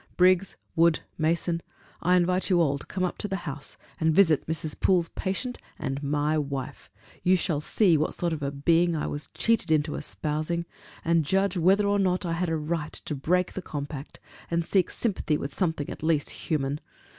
Briggs, Wood, Mason, I invite you all to come up to the house and visit Mrs. Poole's patient, and my wife! You shall see what sort of a being I was cheated into espousing, and judge whether or not I had a right to break the compact, and seek sympathy with something at least human.